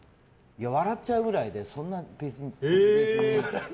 笑っちゃうくらいでそんな、別に特別。